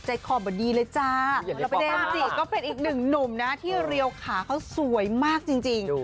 ขอบ่ดีเลยจ้าเดมจิก็เป็นอีกหนึ่งหนุ่มนะที่เรียวขาเขาสวยมากจริง